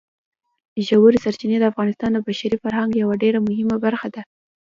ژورې سرچینې د افغانستان د بشري فرهنګ یوه ډېره مهمه برخه ده.